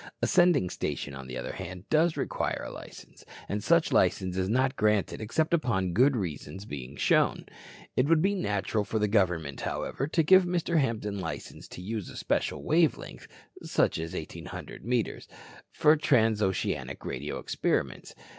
A sending station, on the other hand, does require a license, and such license is not granted except upon good reasons being shown. It would be natural for the government, however, to give Mr. Hampton license to use a special wave length such as 1,800 metres for transoceanic radio experiments.